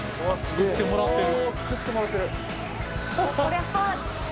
作ってもらってる。